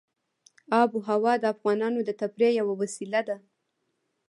آب وهوا د افغانانو د تفریح یوه وسیله ده.